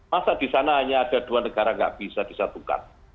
masa di sana hanya ada dua negara nggak bisa disatukan